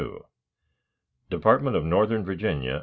Department of Northern Virginia